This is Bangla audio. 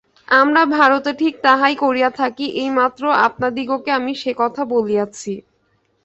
আমরা ভারতে ঠিক তাহাই করিয়া থাকি, এইমাত্র আপনাদিগকে আমি সে-কথা বলিয়াছি।